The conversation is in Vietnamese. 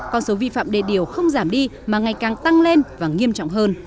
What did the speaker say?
con số vi phạm đê điều không giảm đi mà ngày càng tăng lên và nghiêm trọng hơn